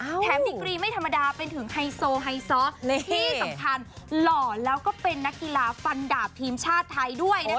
แถมดีกรีไม่ธรรมดาเป็นถึงไฮโซไฮซอสที่สำคัญหล่อแล้วก็เป็นนักกีฬาฟันดาบทีมชาติไทยด้วยนะคะ